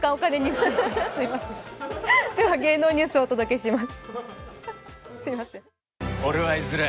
芸能ニュースをお届けします。